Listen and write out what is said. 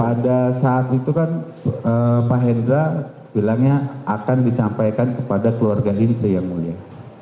pada saat itu kan pak hendra bilangnya akan dicampaikan kepada keluarga inte yang mulia